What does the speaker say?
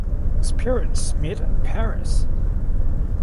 His parents met in Paris.